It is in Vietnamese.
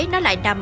nó lại nằm